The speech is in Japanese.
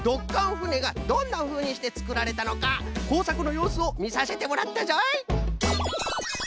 ふねがどんなふうにしてつくられたのかこうさくのようすをみさせてもらったぞい！